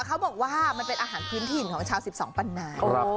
เขาบอกว่ามันเป็นอาหารที่ทินของชาวสิบสองปันนา